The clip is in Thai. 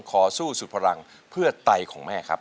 ขอสู้สุดพลังเพื่อไตของแม่ครับ